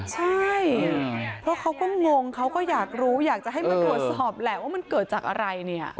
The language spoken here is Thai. ใช่เพราะเขาก็งงเขาก็อยากรู้อยากจะให้มาตรวจสอบแหละว่ามันเกิดจากอะไรเนี่ย